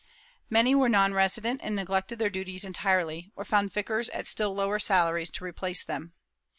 Many were non resident and neglected their duties entirely, or found vicars at still lower salaries to replace them.